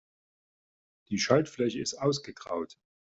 Die Schaltfläche ist ausgegraut.